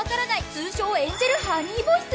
通称エンジェルハニーボイス？